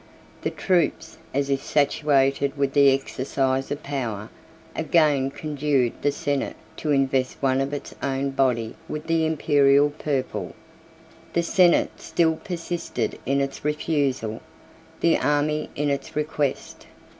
2 The troops, as if satiated with the exercise of power, again conjured the senate to invest one of its own body with the Imperial purple. The senate still persisted in its refusal; the army in its request.